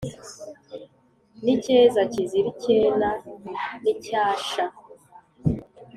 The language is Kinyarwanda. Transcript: N’ icyeza kizira icyena n’icyasha